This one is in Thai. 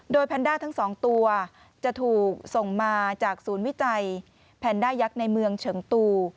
แพนด้าทั้งสองตัวจะถูกส่งมาจากศูนย์วิจัยแพนด้ายักษ์ในเมืองเฉิงตู